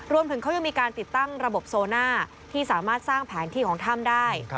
รวมถึงเขายังมีการติดตั้งระบบโซน่าที่สามารถสร้างแผนที่ของถ้ำได้